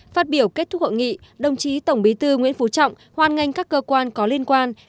phát biểu kết thúc hội nghị đồng chí tổng bí thư nguyễn phú trọng hoan nghênh các cơ quan có liên quan